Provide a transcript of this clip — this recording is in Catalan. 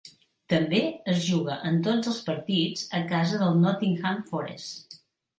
També es juga en tots els partits a casa dels Nottingham Forest.